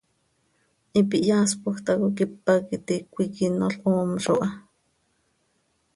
Hipi hyaaspoj tacoi quipac iti cöiquinol hoomzo ha.